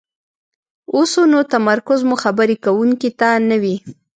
اوسو نو تمرکز مو خبرې کوونکي ته نه وي،